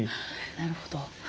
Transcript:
なるほど。